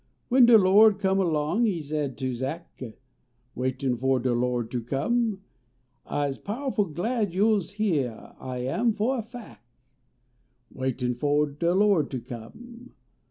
When de Lo d come elong e said to Zach, Waitin fo de Lo d ter come, Ise pow ful glad yo s heah, I am, fo a fac ," Waitin fo de Lo d ter come.